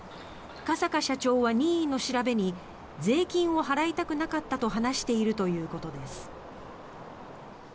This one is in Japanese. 加坂社長は任意の調べに税金を払いたくなかったと話しているということです。